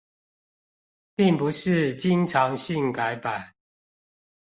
並不是經常性改版